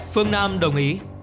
phương nam đồng ý